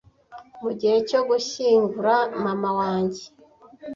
mu gihe cyo gushyingura mama wanjye,